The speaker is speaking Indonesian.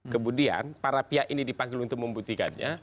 kemudian para pihak ini dipanggil untuk membuktikannya